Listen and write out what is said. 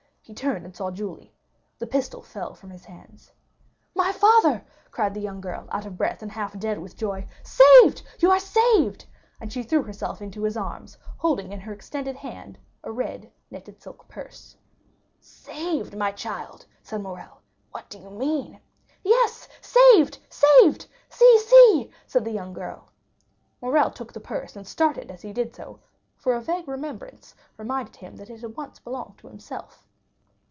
He turned and saw Julie. The pistol fell from his hands. "My father!" cried the young girl, out of breath, and half dead with joy—"saved, you are saved!" And she threw herself into his arms, holding in her extended hand a red, netted silk purse. 20061m "Saved, my child!" said Morrel; "what do you mean?" "Yes, saved—saved! See, see!" said the young girl. Morrel took the purse, and started as he did so, for a vague remembrance reminded him that it once belonged to himself.